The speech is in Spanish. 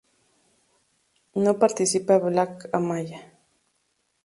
No participa Black Amaya.